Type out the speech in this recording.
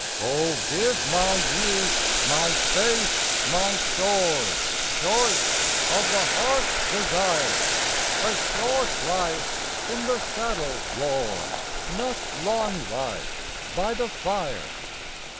O give my youth, my faith, my sword, Choice of the heart's desire: A short life in the saddle, Lord! Not long life by the fire.